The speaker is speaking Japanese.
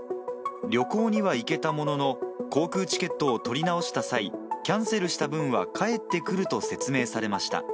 旅行には行けたものの、航空チケットを取り直した際、キャンセルした分は返ってくると説明されました。